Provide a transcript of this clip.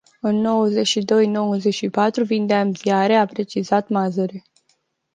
În nouăzeci și doi nouăzeci și patru vindeam ziare, a precizat Mazăre.